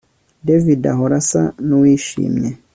David ahora asa nuwishimye